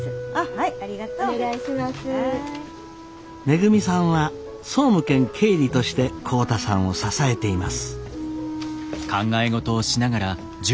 めぐみさんは総務兼経理として浩太さんを支えています。